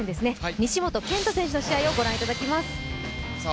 西本拳太選手の試合をご覧いただきます。